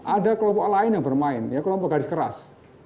ada kelompok lain yang bermain kelompok garis keras